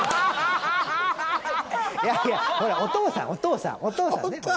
いやいやほらお父さんお父さんお父さんね。